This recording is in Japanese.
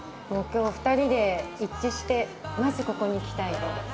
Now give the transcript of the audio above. もう今日２人で一致してまずここに来たいと。